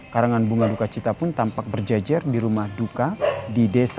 karangan bunga duka cita pun tampak berjejer di rumah duka di desa